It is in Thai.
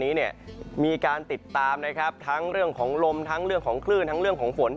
เพราะว่าตอนนี้มีการติดตามครึ่งเรื่องของลมทั้งเรื่องของคลื่น